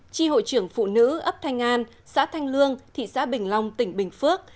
tri hội trưởng phụ nữ ấp thanh an xã thanh lương thị xã bình long tỉnh bình phước